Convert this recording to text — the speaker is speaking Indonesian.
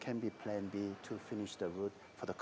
untuk mencapai jalanan